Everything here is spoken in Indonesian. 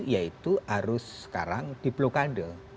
yaitu harus sekarang diplokade